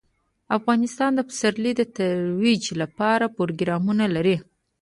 افغانستان د پسرلی د ترویج لپاره پروګرامونه لري.